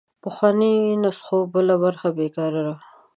پخوانو نسخو بله برخه بېکاره راوخته